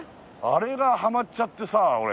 あれがハマっちゃってさ俺。